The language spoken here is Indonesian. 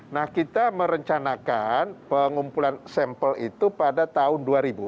nah kita merencanakan pengumpulan sampel itu pada tahun dua ribu